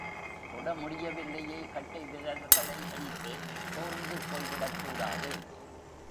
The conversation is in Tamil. தொட முடியவில்லையே கட்டை விரல்களை என்று, சோர்ந்து போய்விடக்கூடாது.